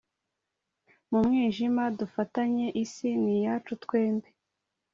mu mwijima dufatanye isi ni iyacu twembi